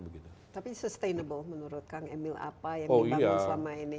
tapi sustainable menurut kang emil apa yang dibangun selama ini